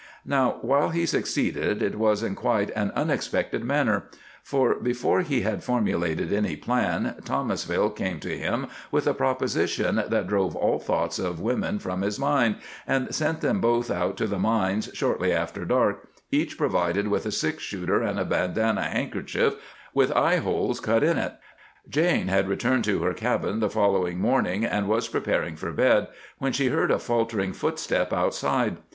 Now, while he succeeded, it was in quite an unexpected manner; for before he had formulated any plan Thomasville came to him with a proposition that drove all thoughts of women from his mind and sent them both out to the mines shortly after dark, each provided with a six shooter and a bandana handkerchief with eyeholes cut in it. Jane had returned to her cabin the following morning, and was preparing for bed, when she heard a faltering footstep outside.